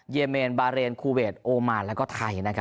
เมนบาเรนคูเวทโอมานแล้วก็ไทย